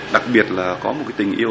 đặc biệt là có một tình yêu